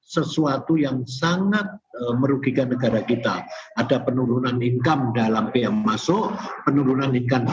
sesuatu yang sangat merugikan negara kita ada penurunan income dalam pm masuk penurunan ikan